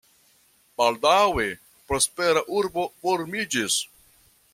Baldaŭe prospera urbo formiĝis.